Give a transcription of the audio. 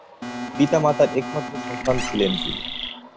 পিতা-মাতার একমাত্র সন্তান ছিলেন তিনি।